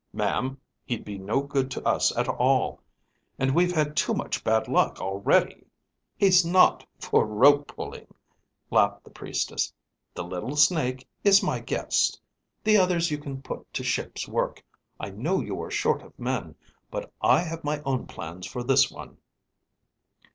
Ma'am, he'd be no good to us at all. And we've had too much bad luck already." "He's not for rope pulling," laughed the priestess. "The little Snake is my guest. The others you can put to ship's work. I know you are short of men. But I have my own plans for this one."